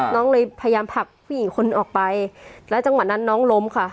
น้องเลยพยายามผลักผู้หญิงคนออกไปแล้วจังหวะนั้นน้องล้มค่ะ